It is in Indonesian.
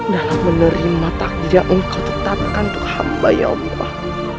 dalam menerima takdir engkau tetapkan untuk hamba ya allah